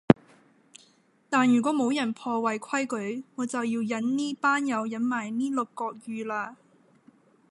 但如果冇人破壞規矩，我就要忍呢班友忍埋呢六個月喇